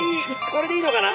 これでいいのかな？